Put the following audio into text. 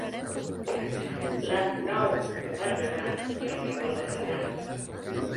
La Nou de Berguedà es troba al Berguedà